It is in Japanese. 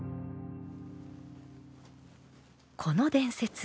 この伝説。